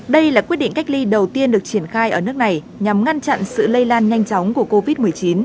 đây là quyết định cách ly đầu tiên được triển khai ở nước này nhằm ngăn chặn sự lây lan nhanh chóng của covid một mươi chín